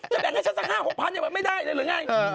จะแบ่งให้ฉันสัก๕๖๐๐๐บาทยังไม่ได้หรือไง